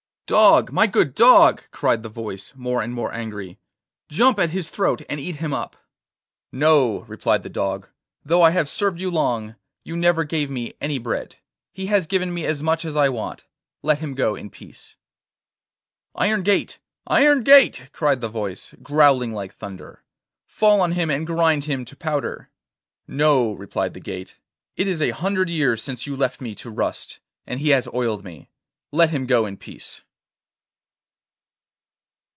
'Dog, my good dog,' cried the voice, more and more angry, 'jump at his throat and eat him up.' 'No,' replied the dog; 'though I have served you long, you never gave me any bread. He has given me as much as I want. Let him go in peace.' 'Iron gate, iron gate,' cried the voice, growling like thunder, 'fall on him and grind him to powder.' 'No,' replied the gate; 'it is a hundred years since you left me to rust, and he has oiled me. Let him go in peace.